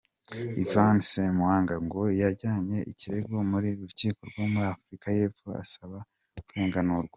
Yvan Ssemwanga ngo yajyanye ikirego mu rukiko rwo muri Afurika y’Epfo asaba kurenganurwa.